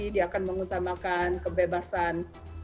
dia akan mengutamakan kebebasan